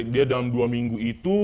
dia dalam dua minggu itu